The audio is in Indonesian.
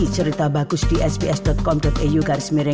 selamat siang mbak sri